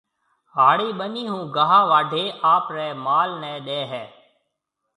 هاڙِي ٻنِي هون گاها واڍيَ اپريَ مال نَي ڏيَ هيَ۔